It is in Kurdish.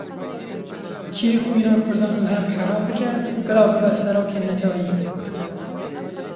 Kî xwîna kurdan li hev heram bike, bila bibe serokê neteweyî.